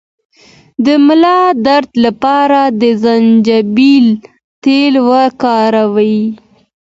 د ملا درد لپاره د زنجبیل تېل وکاروئ